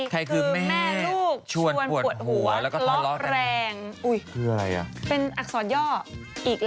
ใครคือแม่ลูกชวนปวดหัวและยังเลี่ยง